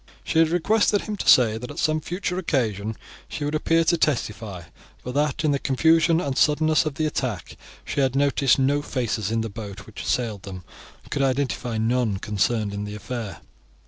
She had requested him to say that at some future occasion she would appear to testify, but that in the confusion and suddenness of the attack she had noticed no faces in the boat which assailed them, and could identify none concerned in the affair.